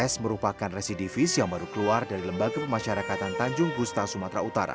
s merupakan residivis yang baru keluar dari lembaga pemasyarakatan tanjung gusta sumatera utara